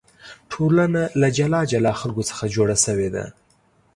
ټولنه له جلا جلا خلکو څخه جوړه شوې ده.